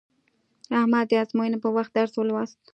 احمد د ازموینې په وخت درس ولوست.